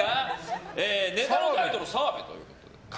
ネタのタイトルが澤部ということで。